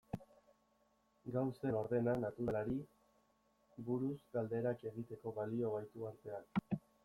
Gauzen ordena naturalari buruz galderak egiteko balio baitu arteak.